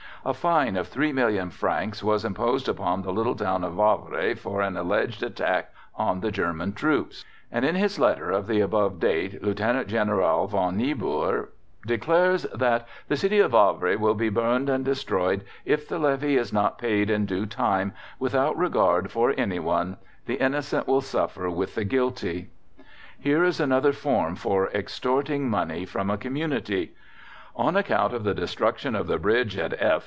A fine of three million francs was imposed upon the little town of Wavre for an alleged attack on the German troops, and in his letter of the above date Lieutenant General von Niebur declares that "_the City of Wavre will be burned and destroyed if the levy is not paid in due time, without regard for anyone; the innocent will suffer with the guilty_." Here is another form for extorting money from a community: "On account of the destruction of the bridge at F.........